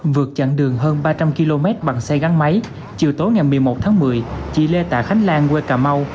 vượt chặn đường hơn ba trăm linh km bằng xe gắn máy chiều tối ngày một mươi một tháng một mươi chị lê tạ khánh lan quê cà mau